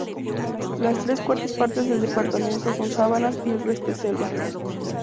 Las tres cuartas partes del departamento son sabanas y el resto es selva.